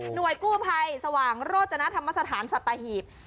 หน่วยกู้ไพสว่างโรจนาธรรมสถานสตาหีภ